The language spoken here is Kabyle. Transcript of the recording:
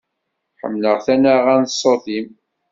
Ḥemmleɣ tanaɣa n ṣṣut-im.